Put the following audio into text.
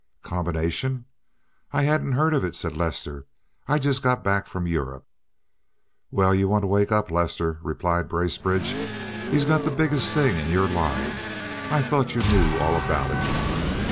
"Combination! I hadn't heard of it," said Lester. "I've just got back from Europe." "Well, you want to wake up, Lester," replied Bracebridge. "He's got the biggest thing in your line. I thought you knew all about it.